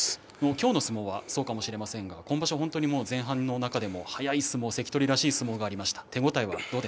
今日の相撲はそうかもしれませんが今場所前半の中でも速い相撲、関取らしい相撲がありました。